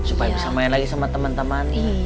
supaya bisa main lagi sama temen temennya